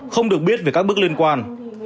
không được biết về các bước liên quan